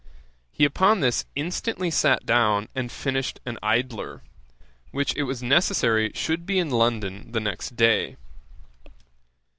He upon this instantly sat down and finished an Idler, which it was necessary should be in London the next day.